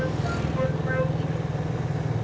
nanti kasih minta minta makasih ya